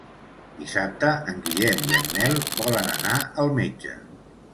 Dissabte en Guillem i en Nel volen anar al metge.